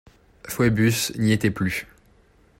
Phœbus n’y était plus.